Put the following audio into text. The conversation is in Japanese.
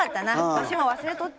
わしも忘れとった。